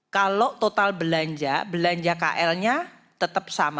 kalau total belanja belanja klnya tetap sama sembilan ratus empat puluh lima